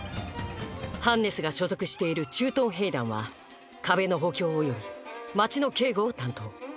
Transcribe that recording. ハンネスが所属している「駐屯兵団」は壁の補強および街の警護を担当。